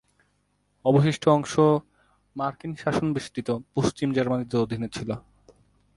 অবশিষ্ট অংশ মার্কিন শাসন-বেষ্টিত পশ্চিম জার্মানির অধীনে ছিল।